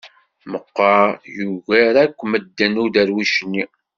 Meqqer, yugar akk medden uderwic-nni.